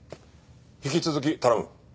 引き続き頼む。